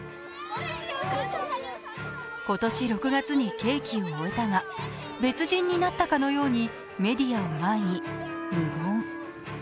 今年６月に刑期を終えたが、別人になったかのようにメディアを前に無言。